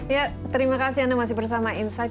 ya terima kasih anda masih bersama insight